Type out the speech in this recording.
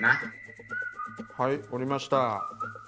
はい折りました。